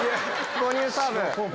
母乳サーブ！